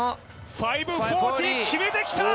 ５４０決めてきた！